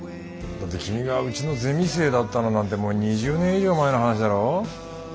だって君がうちのゼミ生だったのなんてもう２０年以上前の話だろ？